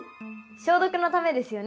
消毒のためですよね？